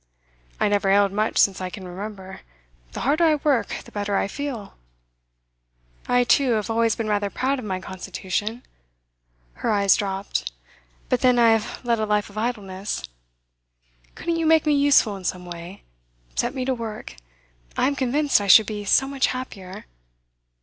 'I never ailed much since I can remember. The harder I work, the better I feel.' 'I, too, have always been rather proud of my constitution.' Her eyes dropped. 'But then I have led a life of idleness. Couldn't you make me useful in some way? Set me to work! I am convinced I should be so much happier.